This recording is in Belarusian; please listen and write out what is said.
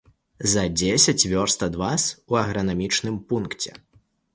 За дзесяць вёрст ад вас, у агранамічным пункце.